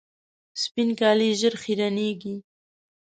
سپین کالي ژر خیرنېږي.